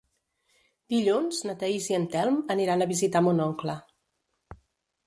Dilluns na Thaís i en Telm aniran a visitar mon oncle.